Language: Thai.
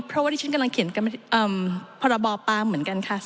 เพราะว่าที่ฉันกำลังเขียนพรบปามเหมือนกันค่ะ